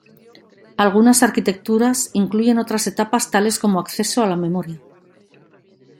Algunas arquitecturas incluyen otras etapas tales como acceso a la memoria.